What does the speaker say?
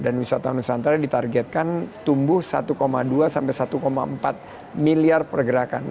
dan wisatawan nusantara ditargetkan tumbuh satu dua sampai satu empat miliar pergerakan